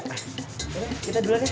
yaudah kita duluan ya